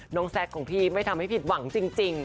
แซคของพี่ไม่ทำให้ผิดหวังจริง